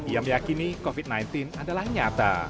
ia meyakini covid sembilan belas adalah nyata